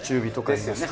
ですよね。